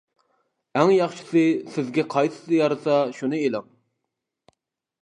ئەڭ ياخشىسى سىزگە قايسىسى يارسا شۇنى ئېلىڭ.